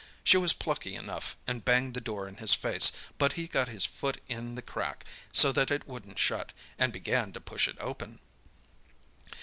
She was plucky enough and banged the door in his face, but he got his foot in the crack, so that it couldn't shut, and began to push it open.